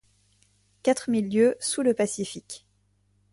Quatre mille lieues sous le Pacifique